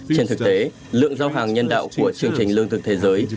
trên thực tế lượng giao hàng nhân đạo của chương trình lương thực thế giới